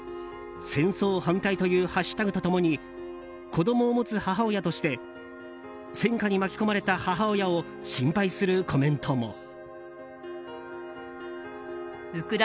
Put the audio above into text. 「戦争反対」というハッシュタグと共に子供を持つ母親として戦渦に巻き込まれた母親を心配するコメントも。